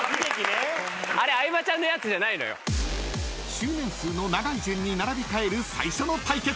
［周年数の長い順に並び替える最初の対決］